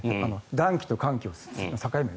暖気と寒気の境目。